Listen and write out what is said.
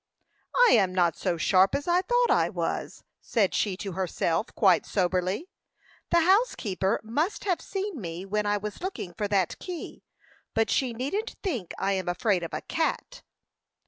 "I am not so sharp as I thought I was," said she to herself, quite soberly. "The housekeeper must have seen me when I was looking for that key; but she needn't think I am afraid of a cat!"